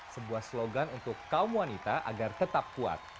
sebuah slogan untuk kaum wanita agar tetap kuat